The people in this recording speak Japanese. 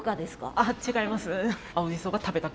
あ違います。